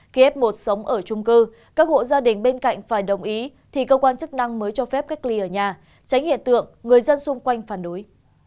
khi f một sống ở trung cư các hộ gia đình bên cạnh phải đồng ý thì cơ quan chức năng mới cho phép cách ly ở nhà tránh hiện tượng người dân xung quanh phản đối